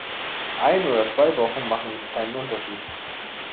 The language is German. Ein oder zwei Wochen machen keinen Unterschied.